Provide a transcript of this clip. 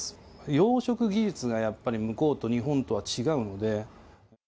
養殖技術がやっぱり向こうと日本では違うので。